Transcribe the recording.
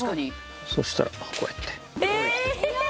そしたらこうやって。